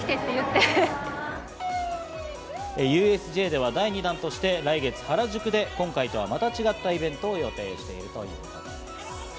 ＵＳＪでは第２弾として来月、原宿で今回とはまた違ったイベントを予定しているということです。